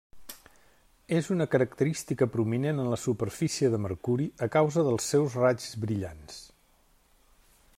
És una característica prominent en la superfície de Mercuri a causa dels seus raigs brillants.